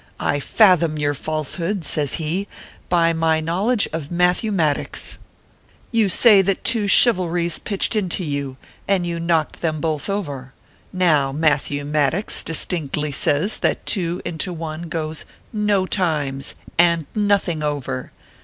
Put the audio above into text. I fathom your falsehood/ says he, " by my knowledge of Matthew Maticks. You 12* 138 ORPHEUS C. KERR PAPERS. say that two chivalries pitched into you, and you knocked them, both over. Now Matthew Maticks distinctly says that two into one goes no times, and nothing over.